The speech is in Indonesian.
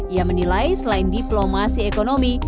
ia menilai selain diplomasi ekonomi